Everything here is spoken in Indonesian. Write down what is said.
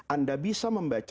anda bisa membaca al quran